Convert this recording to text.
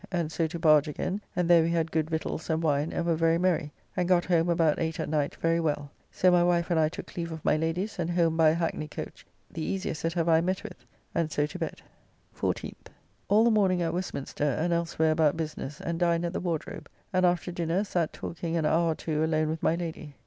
And so to barge again, and there we had good victuals and wine, and were very merry; and got home about eight at night very well. So my wife and I took leave of my Ladies, and home by a hackney coach, the easiest that ever I met with, and so to bed. 14th. All the morning at Westminster and elsewhere about business, and dined at the Wardrobe; and after dinner, sat talking an hour or two alone with my Lady.